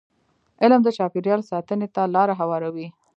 علم د چاپېریال ساتنې ته لاره هواروي.